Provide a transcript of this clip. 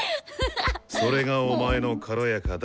それがお前の「軽やか」だ。